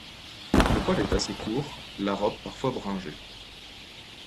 Le poil est assez court, la robe parfois bringée.